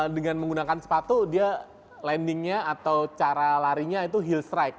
dengan menggunakan sepatu dia landingnya atau cara larinya itu health strike